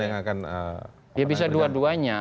ya bisa dua duanya